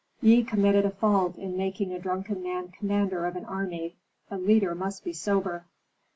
Ye committed a fault in making a drunken man commander of an army. A leader must be sober."